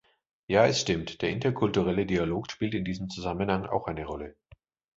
Ja, es stimmt, der interkulturelle Dialog spielt in diesem Zusammenhang auch eine Rolle.